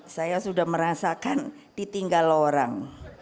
saya sudah merasakan ditinggal orang